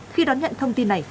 khi đón nhận thông tin này